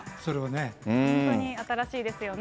本当に新しいですよね。